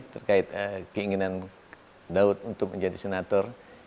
terkait keinginan daud untuk menjadi senator